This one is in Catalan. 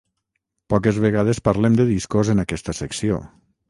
Poques vegades parlem de discos en aquesta secció.